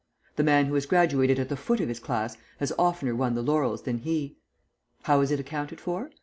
The man who is graduated at the foot of his class has oftener won the laurels than he. How is it accounted for?